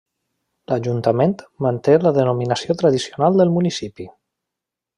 L'ajuntament manté la denominació tradicional del municipi.